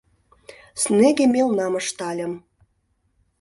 Снеге мелнам ыштальым.